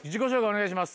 お願いします。